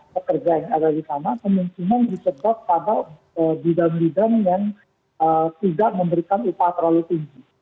pekerja yang ada di sana kemungkinan disebab pada bidang bidang yang tidak memberikan upah terlalu tinggi